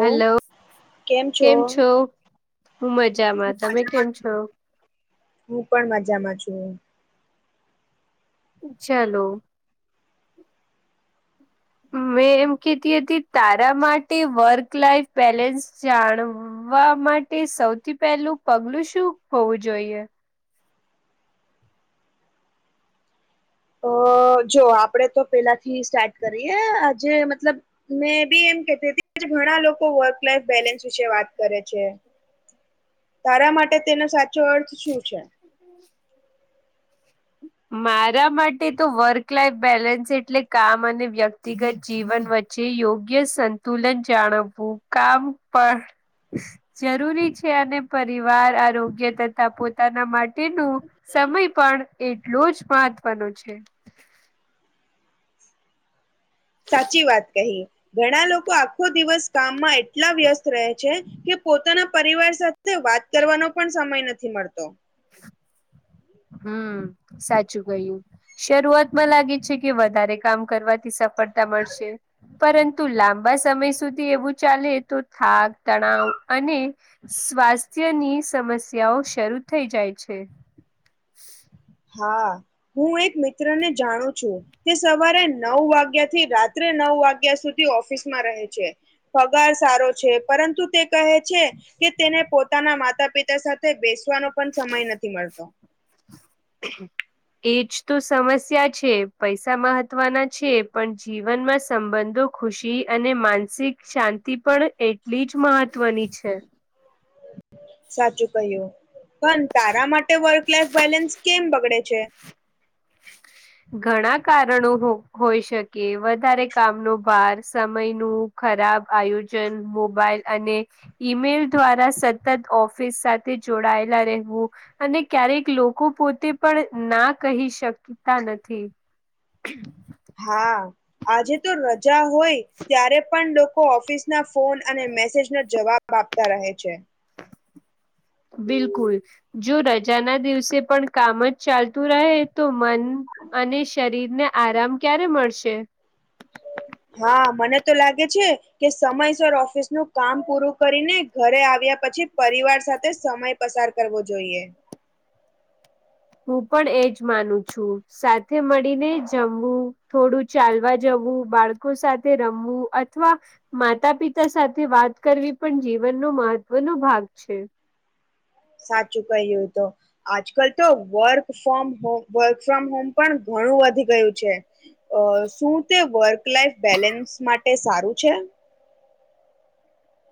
Hello કેમ છો હું હું મજામાં તમે કેમ મજામાં છું. છો હું પણ મજામાં છું ચાલો મેં એમ કેતી હતી તારા માટે વર્ક લાઈફ બેલેન્સ જાણવું આવવા માટે સૌથી પહેલું પગલું શું હોવું જોઈએ અ જો આપડે તો પેલાથી સ્ટાર્ટ કરીએ આજે મતલબ મેં બી એમ કેતી હતી ઘણા લોકો વર્ક લાઈફ બેલેન્સ વિશે વાત કરે છે તારા માટે તેનો સાચો અર્થ શું છે મારા માટે તો વર્ક લાઈફ બેલેન્સ એટલે કામ અને વ્યક્તિ વ્યક્તિગત જીવન વચ્ચે યોગ્ય સંતુલન જાળવવું કામ પણ જરૂરી છે અને પરિવાર આરોગ્ય તથા પોતાના માટેનું સમય પણ એટલો જ મહત્વનો છે સાચી વાત કહી ઘણા લોકો આખો દિવસ કામમાં એટલા વ્યસ્ત રહે છે કે પોતાના પરિવાર સાથે વાત કરવાનો પણ સમય નથી મળતો [inaudible] હા સાચું કહ્યું શરૂઆતમાં લાગે છે કે વધારે કામ કરવાથી સફળતા મળશે પરંતુ લાંબા સમય સુધી એવું ચાલે તો થાક તણાવ અને સ્વાસ્થ્યની સમસ્યાઓ શરૂ થઈ જાય છે [inaudible] હ હું એક મિત્ર ને જાણું છું તે સવારે નવ વાગ્યા થી રાત્રે નવ વાગ્યા સુધી ઓફિસમાં રહે છે. પગાર સારો છે, પરંતુ તે કહે છે. કે તેને પોતાના માતા પિતા સાથે બેસવાનો પણ સમય નથી મલતો [inaudible] એજ તો સમસ્યા છે, પૈસા મહત્વના છે, પણ જીવનમાં સંબંધો ખુશી અને માનસિક શાંતિ પણ એટલી જ મહત્વની છે. સાચું કહ્યું પણ તારા માટે વર્ ક્લાસ બેલેન્સ કેમ બગડે છે. ઘણા કારણો હો હોઈ શકે વધારે કામનો ભાર સમયનું ખરાબ આયોજન મોબાઈલ અને ઈમેલ દ્વારા સતત ઓફિસ સાથે જોડાયેલા રહેવું અને ક્યારેક લોકો પોતે પણ ના કહી શ તા નથી. હા આજે તો રજા હોય ત્યારે પણ લોકો ઓફિસ ના ફોન અને મેસેજના જવાબ આપતા રહે છે. બિલકુલ જો રજાના દિવસે પણ કામ જ ચાલતું રહે તો મન અને શરીરને આરામ ક્યારે મળશે? હાં મને તો લાગે છે. કે સમયસર ઓફિસનું કામ પૂરું કરીને ઘરે આવ્યા પછી પરિવાર સાથે સમય પસાર કરવો જોઈએ. હું પણ એજ માનું છું સાથે મળીને જમવું થોડું ચાલવા જવું બાળકો સાથે રમવું અથવા માતા પિતા સાથે વાત કરવી પણ જીવનનો મહત્વનો ભાગ છે. સાચું કહયું તો આજકાલ તો work from home work from home પણ ઘણું વધી ગયું છે. અ શું તે વર્ક લાઈફ બેલેન્સ માટે સારું છે?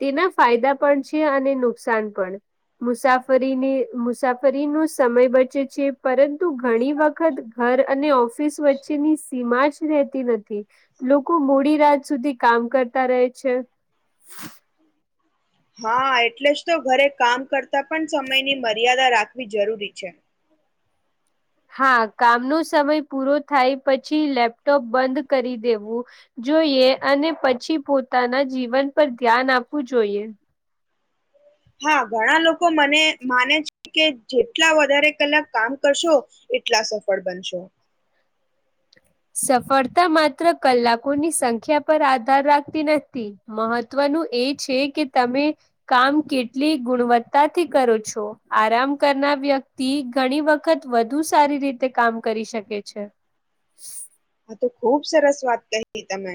તેના ફાયદા પણ છે, અને નુકસાન પણ મુસાફરીની મુસાફરીનુ સમય બચે છે, પરં તુ ઘણી વખત ઘર અને ઓફિસ વચ્ચેની સીમા જ રહેતી નથી લોકો મોડી રાત સુધી કામ કરતા રહે છે. હ [inaudible] હા એટલે જ તો ઘરે કામ કરતા પણ સમયની મર્યાદા રાખવી જરૂરી છે. હા કામનો સમય પૂરો થાય પછી લેપટોપ બંધ કરી દેવું જોઈએ અને પછી પોતાના જીવન પર ધ્યાન આપવું જોઈએ હા ઘણા લોકો મને માને છે, કે જેટલા વધારે કલાક કામ કરશો એ ટલા સફળ બનશો સફળતા માત્ર કલાકોની સંખ્યા પર આધાર રાખતી નથી મહત્વનું એ છે, કે તમે કામ કેટલી ગુણવત્તાથી કરો છો આરામ કરના વ્ય તી ઘણી વખત વધુ સારી રીતે કામ કરી શકે છે. હ [unintelligible] આ તો ખુબ સરસ વાત કહી તમે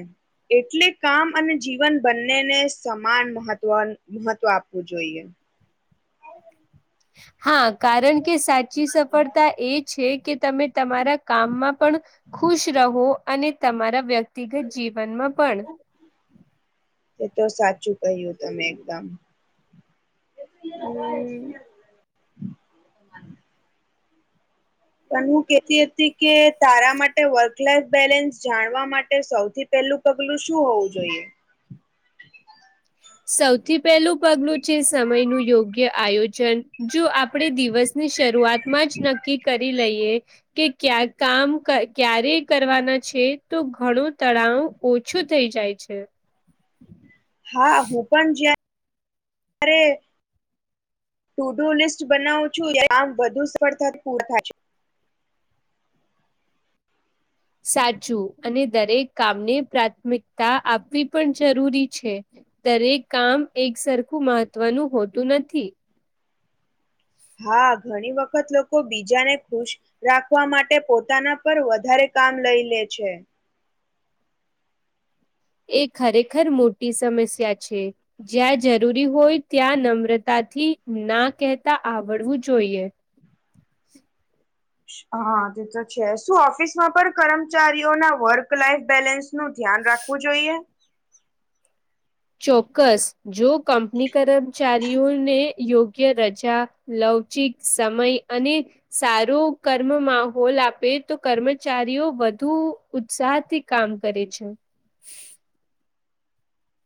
એટલે કામ અને જીવન બંનેને સમાન મહત્વન મહત્વ આપવું જોઈએ હા કારણ કે સાચી સફળતા એ છે, કે તમે તમારા કામમાં પણ ખુશ રહો અને તમારા વ્ય તીગત જીવનમાં પણ એ તો સાચું કહ્યું તમે એકદમ [inaudible] પણ હું કેતી હતી કે તારા માટે વર્ક લાઈફ બેલેન્સ જાણવા માટે સૌથી પેલું પગલું શું હોવું જોઈએ? સૌથી પહેલું પગનું છે સમય નું યોગ્ય આયોજન જો આપણે દિવસ ની શરૂઆતમાં જ નક્કી કરી લઈએ કે ક્યા કામ ક્યારે કરવાના છે તો ઘણું તણાવ ઓછો થઇ જાય છે હા હુ પણ જયારે ટુ ડુ લિસ્ટ બનાવું છું આમ વધુ સફળતા પૂર થાય સાચું અને દરેક કામને પ્રાથમિકતા આપવી પણ જરૂરી છે દરેક કામ એક સરખું મહત્વનું હોતું નથી હા ઘણી વખત લોકો બીજાને ખુશ રાખવા માટે પોતાના પર વધારે કામ લઈ લે છે એ ખરેખર મોટી સમસ્યા છે જ્યાં જરૂરી હોય ત્યાં નમ્રતાથી ના કહેતા આવડવું જોઈએ હા તે તો છે શું ઓફિસમાં પણ કર્મચારીઓના વર્ક લાઈફ બેલેન્સ નું ધ્યાન રાખવું જોઈએ ચોક્કસ જો કંપની કરમ ચારી્યોને યોગ્ય રજા લવચિક સમય અને સારો કર્મ માહોલ આપે તો કર્મચારીઓ વધુ ઉત્સાહ થી કામ કરે છે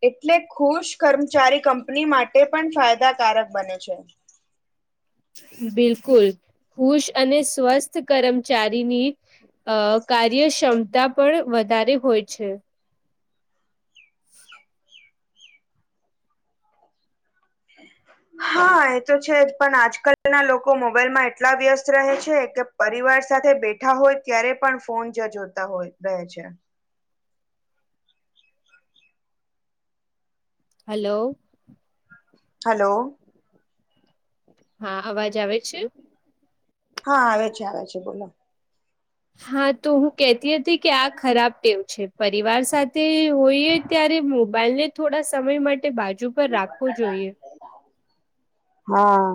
એટલે ખુશ કર્મચારી કંપની માટે પણ ફાયદાકારક બને છે બિલકુલ ખુશ અને સ્વસ્થ કર્મચારીની અ કાર્યક્ષમતા પણ વધારે હોય છે હા એ તો છે જ પણ આજકાલના લોકો મોબાઈલમાં એટલા વ્યસ્ત રહે છે કે પરિવાર સાથે બેઠા હોય ત્યારે પણ ફોન જ જોતા હોય રહે છે હલો હલો હા અવાજ આવે છે હા આવે છે આવે છે બોલો હા તો હું કેતી હતી કે આ ખરાબ ટેવ છે પરિવાર સાથે હોઈએ ત્યારે મોબાઈલ ને થોડા સમય માટે બાજુ પર રાખવો જોઈએ હા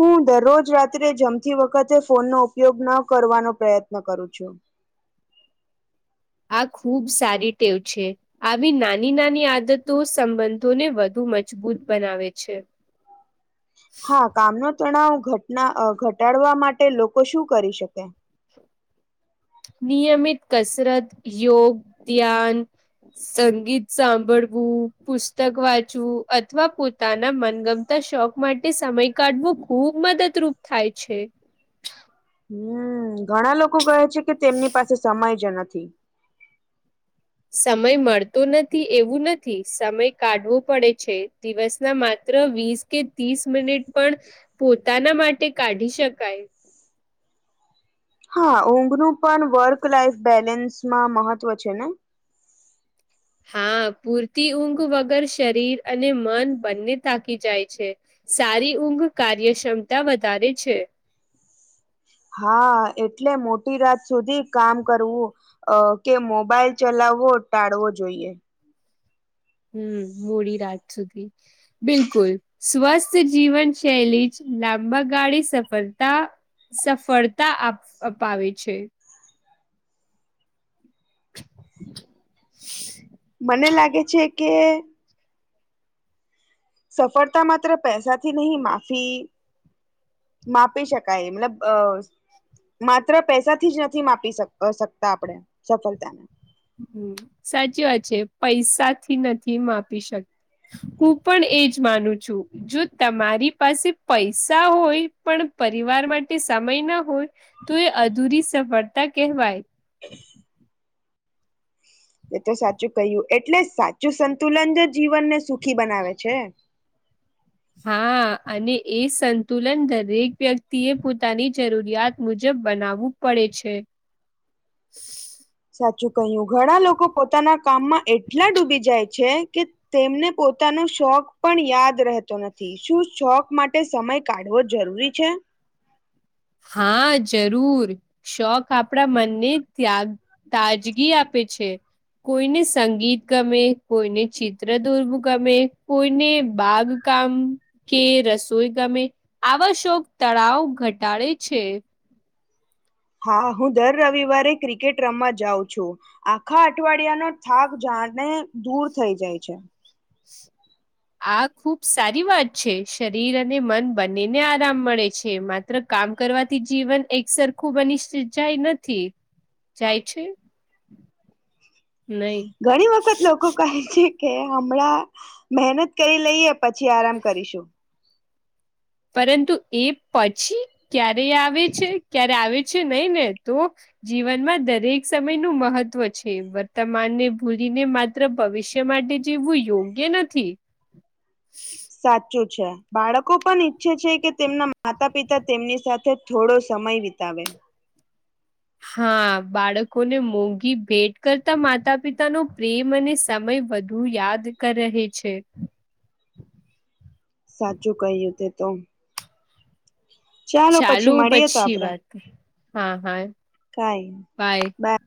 હું દરરોજ રાત્રે જમતી વખતે ફોનનો ઉપયોગ ન કરવાનો પ્રયત્ન કરું છું આ ખુબ સારી ટેવ છે આવી નાની નાની આદતો સંબંધોને વધુ મજબૂત બનાવે છે, હા કામનોો તણાવ ઘટના ઘટાડવા માટે લોકો શું કરી શકે નિયમિત કસરત યોગ ધ્યાન સંગીત સાંભળવું પુસ્તક વાંચવું અથવા પોતાના મનગમ શોખ માટે સમય કાઢવો ખુબ મદદરૂપ થાય છે હમ ઘણા લોકો કહે છે કે તેમની પાસે સમય જ નથી સમય મળતો નથી એવું નથી સમય કાઢવો પડે છે દિવસ ના માત્ર વીસ કે ત્રીસ મિનિટ પણ પોતાના માટે કાઢી શકાય હા ઊંઘ નું પણ વર્ક લાઈફ બેલેન્સમાં મહત્વ છે ને હા પૂરતી ઊંઘ વગર શરીર અને મન બંને થાકી જાય છે સારી ઊંઘ કાર્યક્ષમતા વધારે છે હા એટલે મોટી રાત સુધી કામ કરવું અ કે મોબાઈલ ચલાવવો ટાળવો જોઈએ હમ્મ મોડી રાત સુધી બિલકુલ સ્વસ્થ જીવન શૈલી લાંબા ગાડી સફળતા સફળ તા અપાવે છે મને લાગે છે કે સફળતા માત્ર પૈસાથી નહી માફી માપી શકાય મતલબ અ માત્ર પૈસાથી જ નથી માપી સકતા આપણે સફળતા ને હમ્મ સાચી વાત છે પૈસા થી નથી માપી શકત હું પણ એજ માનું છું. જો તમારી પાસે પૈસા હોય પણ પરિવાર માટે સમય ના હોય તો એ અધૂરી સફળતા કહેવાય એ તો સાચું કહ્યું એટલે સાચું સંતુલન જ જીવનને સુખી બનાવે છે. હા અને એ સંતુલન દરેક વ્યક્તિ એ પોતાની જરૂરિયાત મુજબ બનાવવું પડે છે સાચું કહ્યું ઘણા લોકો પોતાના કામમાં એટલા ડૂબી જાય છે કે તેમને પોતાનો શોખ પણ યાદ રહેતો નથી શું શોખ માટે સમય કાઢવો જરૂરી છે? હા જરૂર શોખ આપણા મનને ત્યાગ તાજગી આપે છે કોઈને સંગીત ગમે, કોઈને ચિત્ર દોરવું ગમે, કોઈને બાગ કામ કે રસોઈ ગમે આવા શોક તળાવ ઘટાડે છે હા હું દર રવિવારે ક્રિકેટ રમવા જાઉં છું. આખા અઠવાડિયાનો થાક જાને દૂર થઈ જાય છે. આ ખુબ સારી વાત છે શરીર અને મન બંનેને આરામ મળે છે માત્ર કામ કરવાથી જીવન એક સરખું બનીસ જાય નથી જાય છે નહી. ઘણી વખત લોકો કહે છે કે હમણાં મહેનત કરી લઈએ પછી આરામ કરીશું પરંતુ એ પછી ક્યારે આવે છે ક્યારે આવે છે નહીં ને તો જીવનમાં દરેક સમયનું મહત્વ છે વર્તમાનને ભૂલીને માત્ર ત્ર ભવિષ્ય માટે જીવવું યોગ્ય નથી. સાચું છે બાળકો પણ ઈચ્છે છે કે તેમના માતા પિતા તેમની સાથે થોડો સમય વિતાવે હા બાળકોને મોંઘી ભેટ કરતા માતા પિતા નો પ્રેમ અને સમય વધ હું યાદ કર રહે છે સાચું કહ્યું તે તો ચાલો પછી ચાલુ મળીએ તો પછી વાત હે હા હા કઈ બાય બા